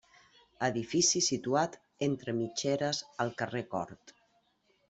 Edifici situat entre mitgeres al carrer Cort.